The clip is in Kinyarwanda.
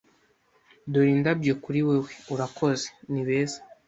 "Dore indabyo kuri wewe." "Urakoze. Ni beza."